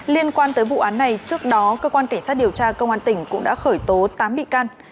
liên quan tới vụ án này trước đó cơ quan cảnh sát điều tra công an tỉnh cũng đã khởi tố tám bị can